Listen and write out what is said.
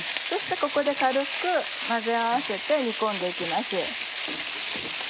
そしてここで軽く混ぜ合わせて煮込んで行きます。